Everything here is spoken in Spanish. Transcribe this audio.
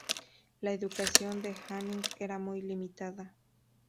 La educación de Anning era muy limitada.